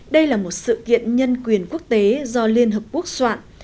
đây là một sự kiện nhân quyền quốc tế do liên hợp quốc soạn